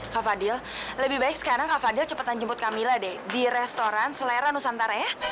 kak fadil lebih baik sekarang kak fadil cepetan jemput camillah deh di restoran selera nusantara ya